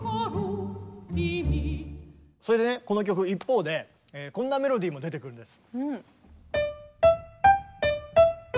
それでねこの曲一方でこんなメロディーも出てくるんです。